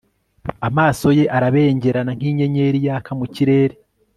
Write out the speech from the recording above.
amaso ye arabengerana nk'inyenyeri yaka mu kirere